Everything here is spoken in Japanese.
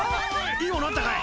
いいものあったかい？